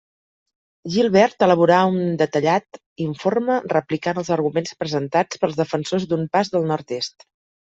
Gilbert elaborà un detallat informe replicant els arguments presentats pels defensors d'un pas pel nord-est.